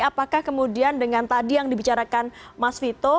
apakah kemudian dengan tadi yang dibicarakan mas vito